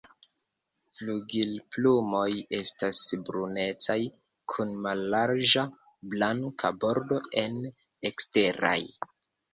Flugilplumoj estas brunecaj kun mallarĝa blanka bordo en eksteraj.